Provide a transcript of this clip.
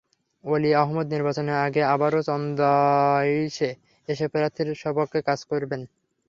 অলি আহমদ নির্বাচনের আগে আবারও চন্দনাইশে এসে প্রার্থীর পক্ষে কাজ করবেন।